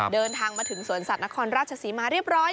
เดินทางมาถึงสวนสัตว์นครราชศรีมาเรียบร้อย